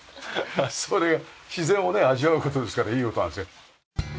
それが自然をね味わう事ですからいい事なんですよ。